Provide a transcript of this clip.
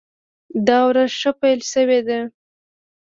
دا ورځ ښه پیل شوې ده.